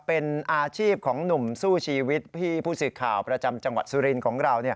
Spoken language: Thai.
เป็นอาชีพของหนุ่มสู้ชีวิตพี่ผู้สื่อข่าวประจำจังหวัดสุรินทร์ของเรา